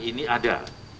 barang ini ada